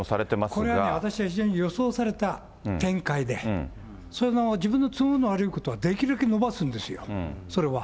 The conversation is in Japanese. これ私は、非常に予想された展開で、自分の都合の悪いことはできるだけ延ばすんですよ、それは。